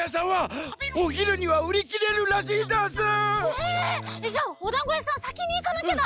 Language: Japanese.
えっじゃあおだんごやさんさきにいかなきゃだ！